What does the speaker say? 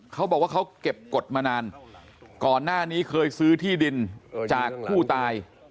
เขาบอกว่าเขาเก็บกฎมานานก่อนหน้านี้เคยซื้อที่ดินจากผู้ตาย